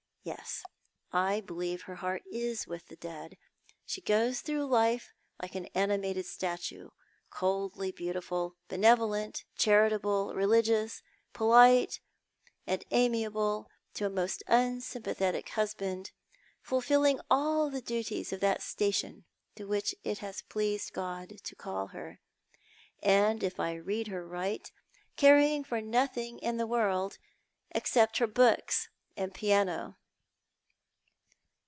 Yes, I believe her heart is with the dead. She goes through life like an animated statue, coldly beautiful, benevolent, charitable, religious ; polite and amiable to a most unsympathetic husband ; fulfilling all the duties of that station to which it has pleased God to call her, and, if I read hor right, caring for nothing in the world except her books and piano.